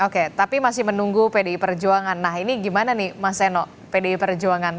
oke tapi masih menunggu pdi perjuangan nah ini gimana nih mas seno pdi perjuangan